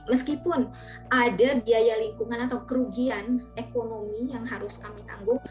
meskipun ada biaya lingkungan atau kerugian ekonomi yang harus kami tanggungi